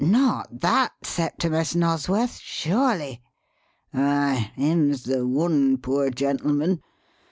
Not that Septimus Nosworth, surely?" "Aye him's the one, poor gentleman.